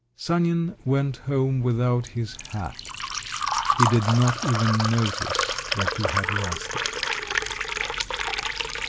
Sanin went home without his hat…. He did not even notice that he had lost it.